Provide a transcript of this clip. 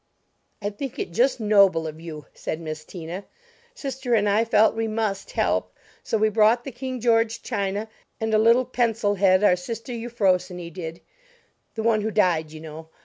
"I think it just noble of you," said Miss Tina. "Sister and I felt we must help; so we brought the King George china and a little pencil head our sister Euphrosyne did. The one who died, you know.